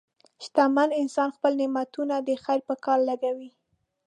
شتمن انسان خپل نعمتونه د خیر په کار لګوي.